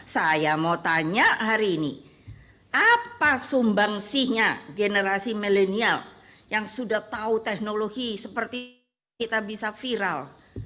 saya mau tanya hari ini apa sumbangsihnya generasi milenial yang sudah tahu teknologi seperti kita bisa viral